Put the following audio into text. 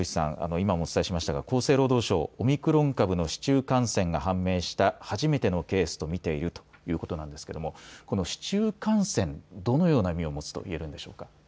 今もお伝えしましたが厚生労働省、オミクロン株の市中感染が判明した初めてのケースと見ているということなんですがこの市中感染、どのような意味を持っているんでしょうか。